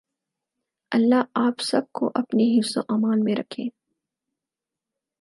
اللہ آپ سب کو اپنے حفظ و ایمان میں رکھے۔